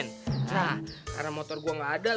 nah karena motor gue gak ada